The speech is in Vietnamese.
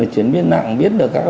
chuyến viên nặng biết được các